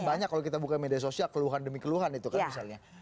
banyak kalau kita buka media sosial keluhan demi keluhan itu kan misalnya